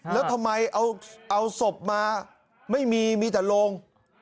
แล้วทำไมเอาศพมาไม่มีมีแต่โรง